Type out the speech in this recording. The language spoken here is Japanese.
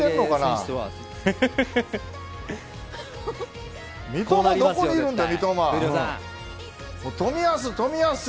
三笘はどこにいるんだ。